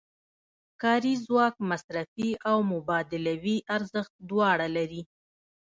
کاري ځواک مصرفي او مبادلوي ارزښت دواړه لري